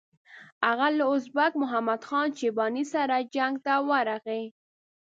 هغه له ازبک محمد خان شیباني سره جنګ ته ورغی.